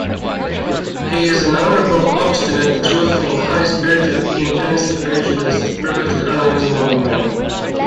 He is an honourable, obstinate, truthful, high-spirited, intensely prejudiced, perfectly unreasonable man.